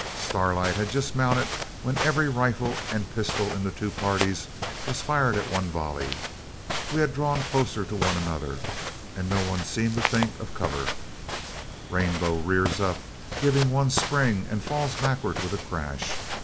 Starlight had just mounted when every rifle and pistol in the two parties was fired at one volley. We had drawn closer to one another, and no one seemed to think of cover. Rainbow rears up, gives one spring, and falls backward with a crash.